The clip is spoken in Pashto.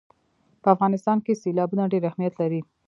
په افغانستان کې سیلابونه ډېر اهمیت لري.